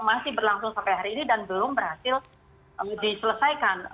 masih berlangsung sampai hari ini dan belum berhasil diselesaikan